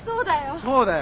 そうだよ。